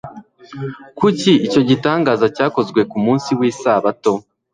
kuko icyo gitangaza cyakozwe ku munsi w'isabato.